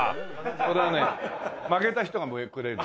これはね負けた人が食える。